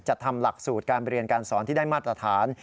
ทำหลักสูตรการเรียนการสอนที่ได้มาตรฐาน